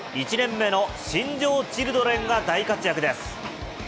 １年目の新庄チルドレンが大活躍です。